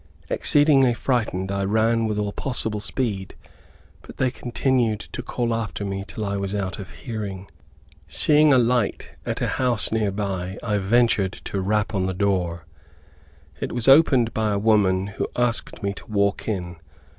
Exceedingly frightened, I ran with all possible speed, but they continued to call after me till I was out of hearing. Seeing a light at a house near by, I ventured to rap on the door. It was opened by a woman, who asked me to walk in.